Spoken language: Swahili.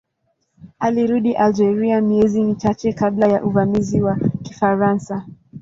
Alirudi Algeria miezi michache kabla ya uvamizi wa Kifaransa.